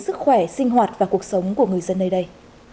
sức khỏe sinh hoạt và cuộc sống của người dân nơi đây